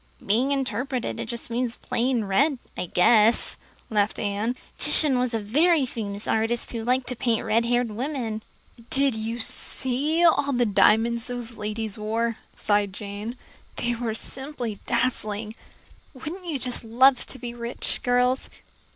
"Being interpreted it means plain red, I guess," laughed Anne. "Titian was a very famous artist who liked to paint red haired women." "Did you see all the diamonds those ladies wore?" sighed Jane. "They were simply dazzling. Wouldn't you just love to be rich, girls?"